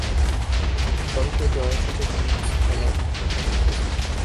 তিনি দলকে জয়সূচক ইনিংস খেলার জন্য প্রসিদ্ধ ছিলেন।